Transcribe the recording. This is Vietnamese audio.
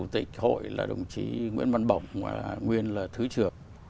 chủ tịch hội là đồng chí nguyễn văn bộng nguyên là thứ trưởng